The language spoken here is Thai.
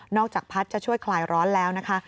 จากพัดจะช่วยคลายร้อนแล้วนะคะ